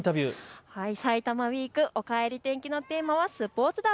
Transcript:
さいたまウイーク、おかえり天気のテーマはスポーツだ